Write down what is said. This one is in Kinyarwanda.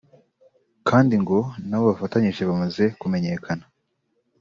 kandi ngo n’abo bafatanyije bamaze kumenyekana